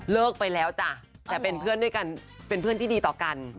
ไปแล้วจ้ะแต่เป็นเพื่อนด้วยกันเป็นเพื่อนที่ดีต่อกัน